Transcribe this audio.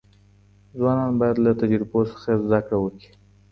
ځوانان باید له تجربو څخه زده کړه وکړي.